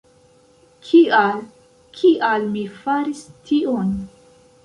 Kial, kial mi faris tion?